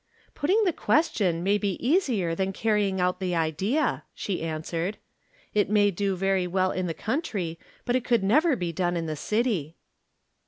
" Putting the question may be easier than carrying out the idea," she answered. " It may do very well in the coimtry, but it could never be done in the city."